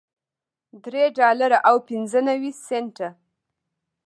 درې ډالره او پنځه نوي سنټه